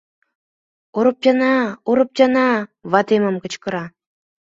— Ороптяна, Ороптяна! — ватемым кычкыра.